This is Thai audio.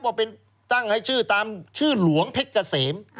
ว่าเป็นตั้งให้ชื่อตามชื่อหลวงเพชรเกษม